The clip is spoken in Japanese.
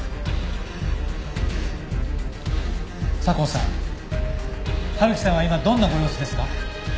佐向さん春樹さんは今どんなご様子ですか？